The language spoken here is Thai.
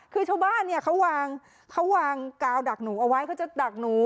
คือชวบ้านเขาวางกาวดักหนูเอาไว้เขาจะดักหนู